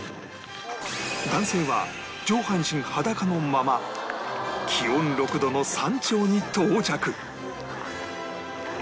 男性は上半身裸のまま気温６度の山頂に到着！